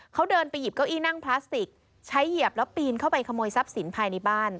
เขาเดินไปหยิบเก้าอี้นั่งพลาสติกใช้เหยียบแล้วปีนเข้าไปขโมยทรัพย์สินภายในบ้าน